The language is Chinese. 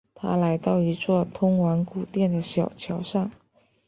他来到一座通往宫殿的小桥上。